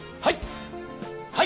はい！